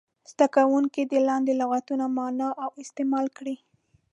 زده کوونکي دې لاندې لغتونه معنا او استعمال کړي.